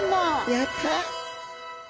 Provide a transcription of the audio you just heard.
やった！